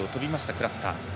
クラッター。